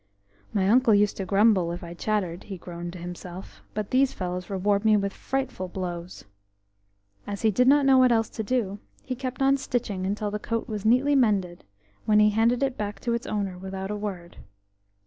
"My uncle used to grumble if I chattered," he groaned to himself, "but these fellows reward me with frightful blows." As he did not know what else to do, he kept on stitching until the coat was neatly mended, when he handed it back to its owner without a word.